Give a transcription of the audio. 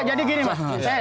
jadi gini pak